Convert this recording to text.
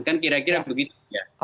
kan kira kira begitu